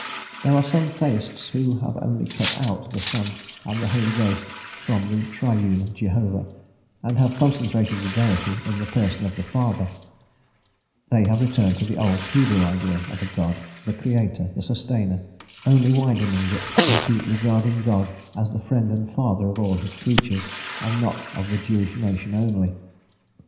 There are some Theists who have only cut out the Son and the Holy Ghost from the Triune Jehovah, and have concentrated the Deity in the Person of the Father; they have returned to the old Hebrew idea of God, the Creator, the Sustainer, only widening it into regarding God as the Friend and Father of all his creatures, and not of the Jewish nation only.